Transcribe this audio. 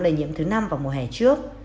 lây nhiễm thứ năm vào mùa hè trước